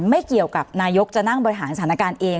ไม่เกี่ยวกับนายกจะนั่งบริหารสถานการณ์เอง